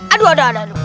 aduh aduh aduh